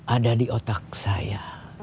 ada di otak saya